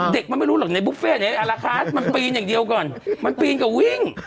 เด็กมันไม่รู้หรอกในบุฟเฟ่ในอาราคาสมันปีนอย่างเดียวก่อนมันปีนกับวิ่ง